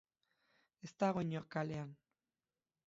Ez dago inor kalean.